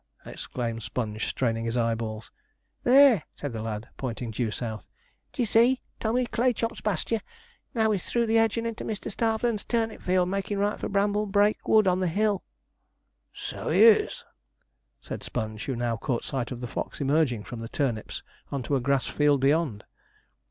exclaimed Sponge, straining his eyeballs. 'There!' said the lad, pointing due south. 'D'ye see Tommy Claychop's pasture? Now he's through the hedge and into Mrs. Starveland's turnip field, making right for Bramblebrake Wood on the hill.' 'So he is,' said Sponge, who now caught sight of the fox emerging from the turnips on to a grass field beyond.